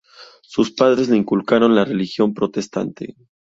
Sus padres le inculcaron la religión protestante.